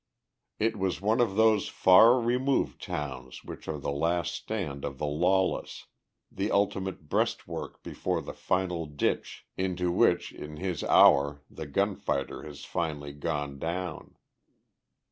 It was one of those far removed towns which are the last stand of the lawless, the ultimate breastwork before the final ditch into which in his hour the gunfighter has finally gone down.